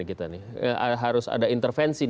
kita nih harus ada intervensi